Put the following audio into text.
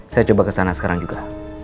saya coba ke sana sekarang juga